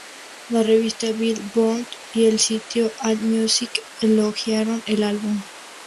La revista Billboard y el sitio AllMusic elogiaron el álbum.